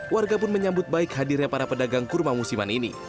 warga pun menyambut baik hadirnya para pedagang kurma musiman ini